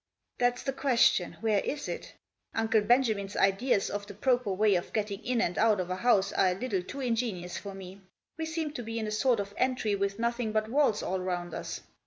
" That's the question — Where is it ? Uncle Benja min's ideas of the proper way of getting in and out of a house are a little too ingenious for me ; we seem to be in a sort of entry with nothing but walls all round us.